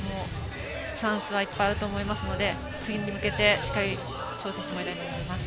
チャンスはいっぱいあると思いますので次に向けてしっかり調整してもらいたいと思います。